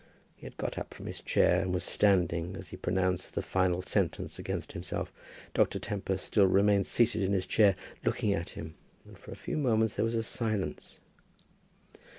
He had got up from his chair, and was standing as he pronounced the final sentence against himself. Dr. Tempest still remained seated in his chair, looking at him, and for a few moments there was silence.